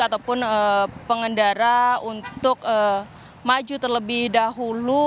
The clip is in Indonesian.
ataupun pengendara untuk maju terlebih dahulu